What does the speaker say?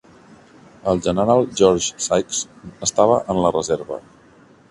El general George Sykes estava en la reserva.